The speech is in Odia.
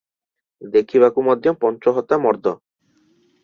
ଦେଖିବାକୁ ମଧ୍ୟ ପଞ୍ଚହତା ମର୍ଦ୍ଦ ।